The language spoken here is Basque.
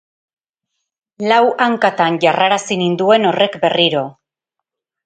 Lau hankatan jarrarazi ninduen horrek berriro.